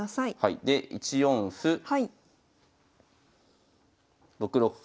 で１四歩６六角。